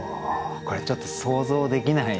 これちょっと想像できない。